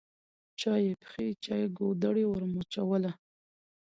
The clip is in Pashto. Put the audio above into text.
چا یې پښې چا ګودړۍ ورمچوله